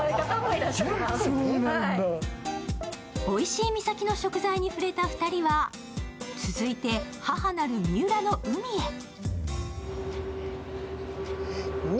おいしい三崎の食材に触れた２人は続いて母なる海へ。